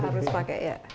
harus pakai ya